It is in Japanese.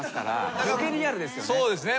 そうですね。